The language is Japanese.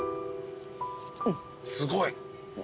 すごい！